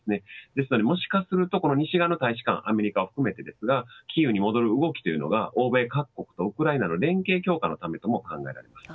ですのでもしかすると西側の大使館アメリカを含めてですがキーウに戻る動きというのが欧米各国とウクライナの連携強化のためとも考えられます。